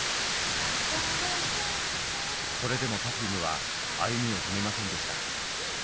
それでもＰｅｒｆｕｍｅは歩みを止めませんでした。